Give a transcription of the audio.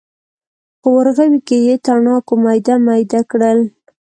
په ورغوي کې یې تنباکو میده میده کړل.